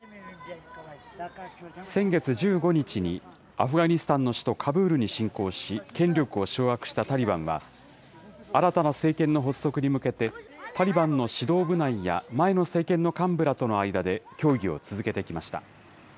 先月１５日にアフガニスタンの首都カブールに進攻し、権力を掌握したタリバンは、新たな政権の発足に向けて、タリバンの指導部内や前の政権の幹部らとの間で協議を続けてきました。